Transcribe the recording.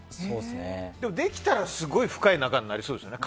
できたらすごい深い仲になりそうですね。